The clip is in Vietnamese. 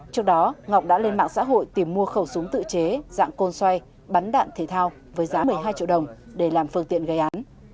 trước đó ngọc đã lên mạng xã hội tìm mua khẩu súng tự chế dạng côn xoay bắn đạn thể thao với giá một mươi hai triệu đồng để làm phương tiện gây án